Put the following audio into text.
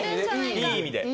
いい意味で。